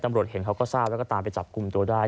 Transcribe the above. ตำรวจเห็นเขาก็ทราบแล้วก็ตามไปจับกลุ่มตัวได้